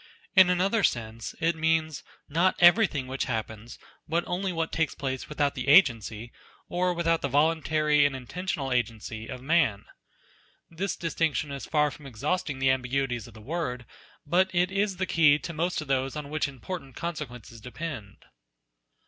In another sense, it means, riot everything which happens, but only what takes place without the agency, or without the voluntary and intentional agency, of man. This dis tinction is far from exhausting the ambiguities of the NATURE word ; but it is the key to most of those on which important consequences depend.